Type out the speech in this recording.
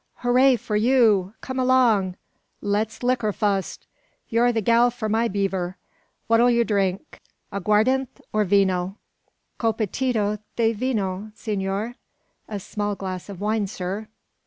"Hooraw for you! Come along! Let's licker fust! You're the gal for my beaver. What'll yer drink? Agwardent or vino?" "Copitita de vino, senor." (A small glass of wine, sir.)